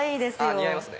似合いますね。